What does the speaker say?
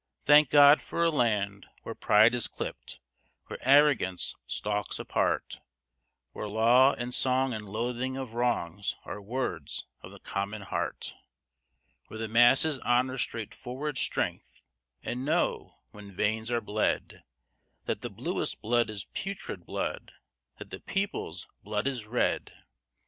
Thank God for a land where pride is clipped, where arrogance stalks apart; Where law and song and loathing of wrong are words of the common heart; Where the masses honor straightforward strength, and know, when veins are bled, That the bluest blood is putrid blood that the people's blood is red!